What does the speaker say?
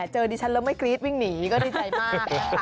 ดิฉันแล้วไม่กรี๊ดวิ่งหนีก็ดีใจมากนะคะ